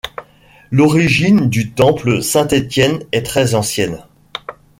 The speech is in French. L'origine du temple Saint-Étienne est très ancienne.